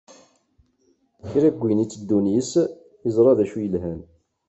Kra n win itteddun yis-s, iẓra d acu i yelhan.